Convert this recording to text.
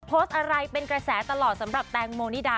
โพสต์อะไรเป็นกระแสตลอดสำหรับแตงโมนิดา